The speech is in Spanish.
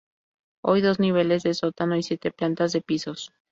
Hay dos niveles de sótano y siete plantas de pisos.